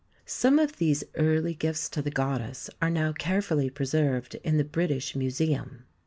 Some of these early gifts to the goddess are now carefully preserved in the British Museum.